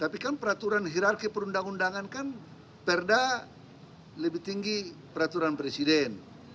tapi kan peraturan hirarki perundang undangan kan perda lebih tinggi peraturan presiden